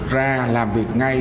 ra làm việc ngay